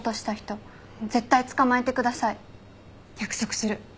約束する。